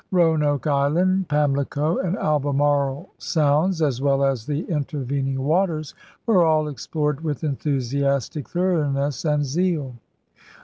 Roanoke Island, Pamlico and Albemarle Sounds, as well as the in tervening waters, were all explored with enthusi astic thoroughness and zeal.